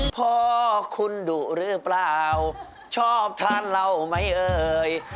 พ่อคุณดุหรือเปล่าชอบทานเหล้าไหมเอ่ย